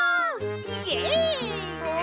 イエイ！